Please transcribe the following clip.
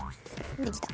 できた。